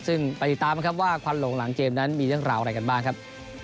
ซึ่งไปติดตามนะครับว่าควันหลงหลังเกมนั้นมีเรื่องราวอะไรกันบ้างครับ